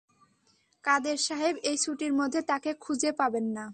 কাদের সাহেব এই ছুটির মধ্যে তাকে খুঁজে পাবেন না।